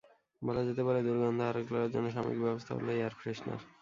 বলা যেতে পারে, দুর্গন্ধ আড়াল করার জন্য সাময়িক ব্যবস্থা হলো এয়ার ফ্রেশনার।